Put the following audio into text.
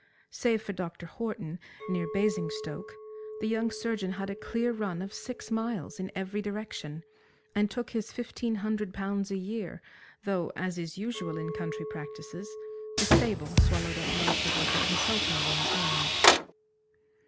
Save for Dr. Horton, near Basingstoke, the young surgeon had a clear run of six miles in every direction, and took his fifteen hundred pounds a year, though, as is usual in country practices, the stable swallowed up most of what the consulting room earned.